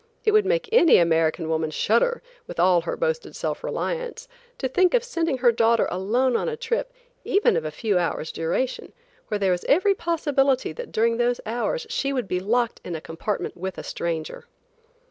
It would make any American woman shudder with all her boasted self reliance, to think of sending her daughter alone on a trip, even of a few hours' duration, where there was every possibility that during those hours she would be locked in a compartment with a stranger.